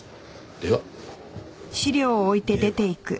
では。